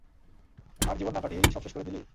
আর জীবন না কাটিয়েই সব শেষ করে দিলি।